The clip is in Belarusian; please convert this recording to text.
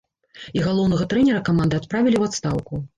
І галоўнага трэнера каманды адправілі ў адстаўку.